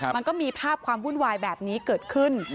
มันก็มีภาพความวุ่นวายแบบนี้เกิดขึ้น